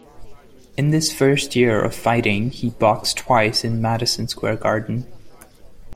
In this first year of fighting he boxed twice in Madison Square Garden.